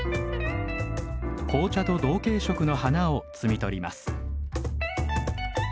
紅茶と同系色の花を摘み取ります。